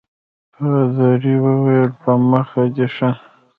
پادري وویل په مخه دي ښه.